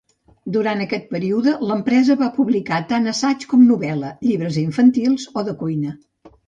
Durant aquest període l'empresa va publicar tant assaig com novel·la, llibres infantils o de cuina.